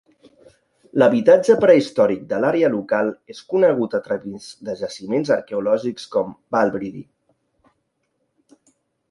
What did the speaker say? L'habitatge prehistòric de l'àrea local és conegut a través de jaciments arqueològics com Balbridie.